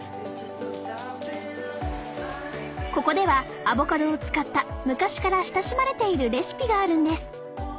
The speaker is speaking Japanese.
ここではアボカドを使った昔から親しまれているレシピがあるんです。